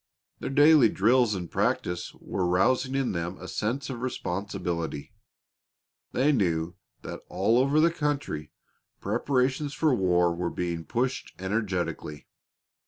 Their daily drills and practice were rousing in them a sense of responsibility. They knew that all over the country preparations for war were being pushed energetically.